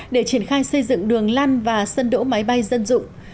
để triển khai xây dựng đường lăn và sân đỗ máy bay dân dụng